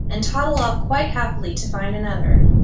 And toddle off quite happily to find another.